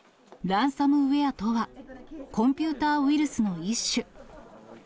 ランサムウエアとは、コンピューターウイルスの一種。